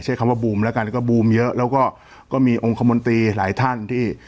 ใช้คำว่าบูมแล้วกันก็บูมเยอะแล้วก็ก็มีองค์คมนตรีหลายท่านที่